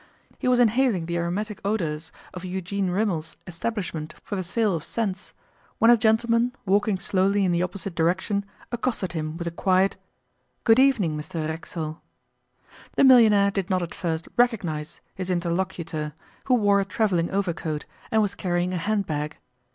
He was inhaling the aromatic odours of Eugène Rimmel's establishment for the sale of scents when a gentleman, walking slowly in the opposite direction, accosted him with a quiet, 'Good evening, Mr Racksole.' The millionaire did not at first recognize his interlocutor, who wore a travelling overcoat, and was carrying a handbag.